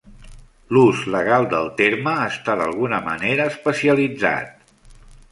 L'ús legal del terme està d'alguna manera especialitzat.